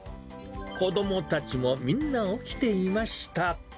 子どもたちもみんな起きていました。